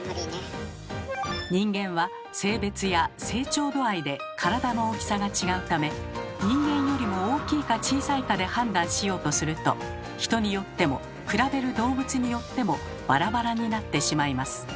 人間は性別や成長度合いで体の大きさが違うため人間よりも大きいか小さいかで判断しようとすると人によっても比べる動物によってもバラバラになってしまいます。